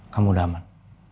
kamu udah aman